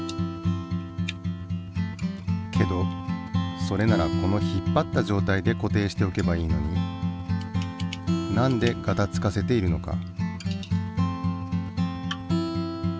けどそれならこの引っぱった状態で固定しておけばいいのになんでガタつかせているのか？